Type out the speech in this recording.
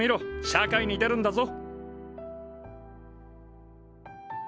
社会に出るんだぞ。